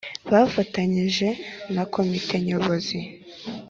bafatanyije na Komite Nyobozi